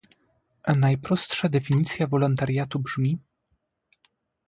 Najprostsza definicja wolontariatu brzmi